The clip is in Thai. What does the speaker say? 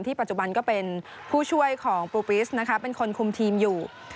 ปัจจุบันก็เป็นผู้ช่วยของปูปิสเป็นคนคุมทีมอยู่